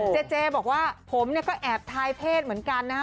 เจเจบอกว่าผมเนี่ยก็แอบทายเพศเหมือนกันนะฮะ